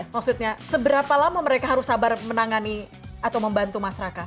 maksudnya seberapa lama mereka harus sabar menangani atau membantu mas raka